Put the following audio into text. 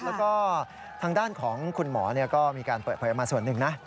แล้วก็ทางด้านของคุณหมอก็มีการเปิดเผยออกมาส่วนหนึ่งนะ